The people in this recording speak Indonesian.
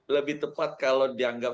lebih tepat kalau dianggap